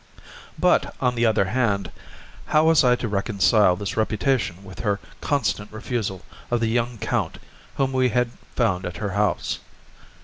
But, on the other hand, how was I to reconcile this reputation with her constant refusal of the young count whom we had found at her house?